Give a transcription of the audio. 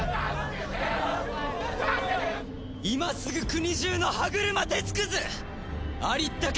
今すぐ国中の歯車鉄くずありったけ